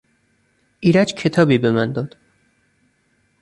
ایرج کتابی به من داد.